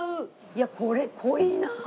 いやこれ濃いなあ。